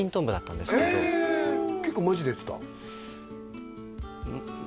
へえ結構マジでやってた？